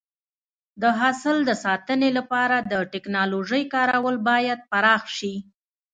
د حاصل د ساتنې لپاره د ټکنالوژۍ کارول باید پراخ شي.